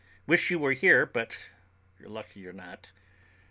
Wish you were here, but you're lucky you're not.